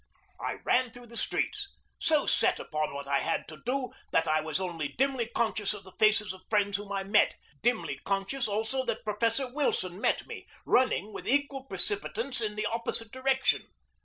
I ran through the streets, so set upon what I had to do that I was only dimly conscious of the faces of friends whom I met dimly conscious also that Professor Wilson met me, running with equal precipitance in the opposite direction.